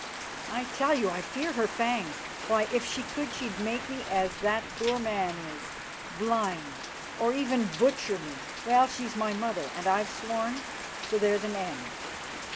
I tell you I fear her fangs. Why, if she could, she'd make me as that poor man is, blind, or even butcher me. Well, she's my mother, and I've sworn, so there's an end.